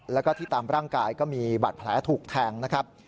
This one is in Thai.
แล้วก็ที่ตามร่างกายก็มีบาดแผลถูกแทงนะครับ